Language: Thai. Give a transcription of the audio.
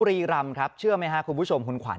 รีรำครับเชื่อไหมครับคุณผู้ชมคุณขวัญ